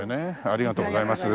ありがとうございます。